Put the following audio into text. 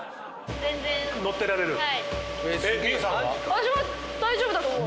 私も大丈夫だと思う。